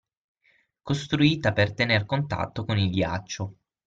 Costruita per tener contatto con il ghiaccio.